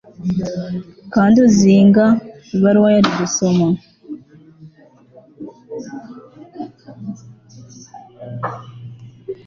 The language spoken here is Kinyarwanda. Kandi uzinga ibaruwa yari gusoma